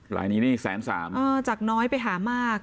รายนี้นี่แสนสามจากน้อยไปหามาก